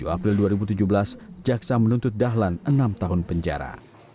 dua puluh april dua ribu tujuh belas jaksa menuntut dahlan enam tahun penjara